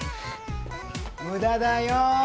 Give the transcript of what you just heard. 無駄だよ。